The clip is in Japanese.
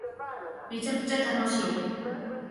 めちゃくちゃ楽しみ